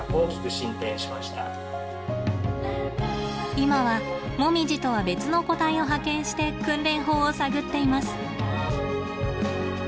今はもみじとは別の個体を派遣して訓練法を探っています。